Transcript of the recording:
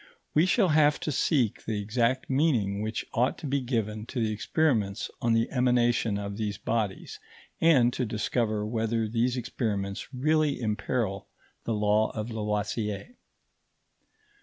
We shall have to seek the exact meaning which ought to be given to the experiments on the emanation of these bodies, and to discover whether these experiments really imperil the law of Lavoisier.